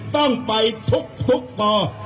ต้องไปทุกป